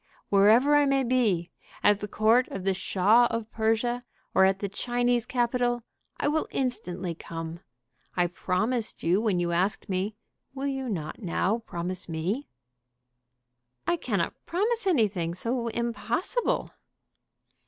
Wherever I may be, at the court of the Shah of Persia or at the Chinese capital, I will instantly come. I promised you when you asked me. Will you not now promise me?" "I cannot promise anything so impossible."